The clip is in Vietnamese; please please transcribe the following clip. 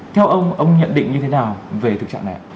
theo ông ông nhận định như thế nào về thực trạng này ạ